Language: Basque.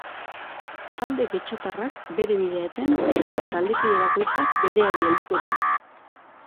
Talde getxoztarrak bere bidea eten eta taldekide bakoitzak bereari helduko dio.